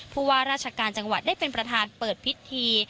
ผู้ว่าราชการจังหวัดได้เป็นประธานเปิดพิธี